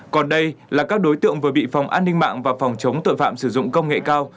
còn đây là các đối tượng vừa bị phòng an ninh mạng và phòng chống tội phạm sử dụng công nghệ cao